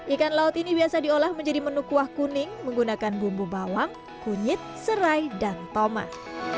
ikan laut ini biasa diolah menjadi menu kuah kuning menggunakan bumbu bawang kunyit serai dan tomat